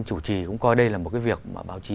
chủ trì cũng coi đây là một cái việc mà báo chí